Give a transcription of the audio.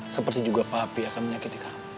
seperti juga papi akan menyakiti kamu